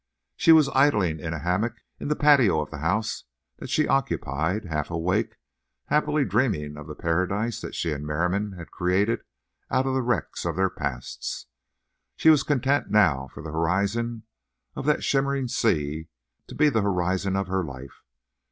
She was idling in a hammock in the patio of the house that she occupied, half awake, half happily dreaming of the paradise that she and Merriam had created out of the wrecks of their pasts. She was content now for the horizon of that shimmering sea to be the horizon of her life.